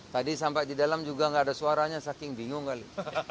tadi sampai di dalam juga nggak ada suaranya saking bingung kali